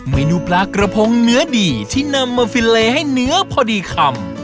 เมนูปลากระพงเนื้อดีที่นำมาฟินเลให้เนื้อพอดีคำ